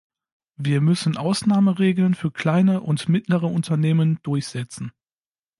Wir müssen Ausnahmeregeln für kleine und mittlere Unternehmen durchsetzen.